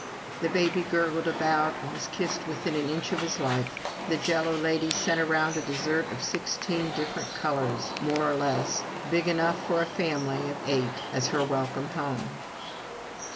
The baby gurgled about, and was kissed within an inch of his life. The Jello lady sent around a dessert of sixteen different colors, more or less, big enough for a family of eight, as her welcome home.